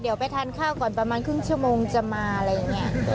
เดี๋ยวไปทานข้าวก่อนประมาณครึ่งชั่วโมงจะมาอะไรอย่างนี้